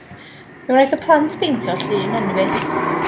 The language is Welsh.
Mi wnaeth y plant beintio llun enfys.